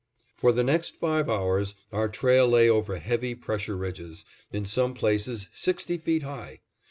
For the next five hours our trail lay over heavy pressure ridges, in some places sixty feet high.